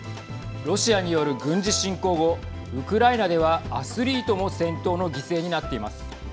ロシアによる軍事侵攻後ウクライナではアスリートも戦闘の犠牲になっています。